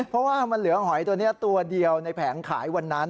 เพราะว่ามันเหลือหอยตัวนี้ตัวเดียวในแผงขายวันนั้น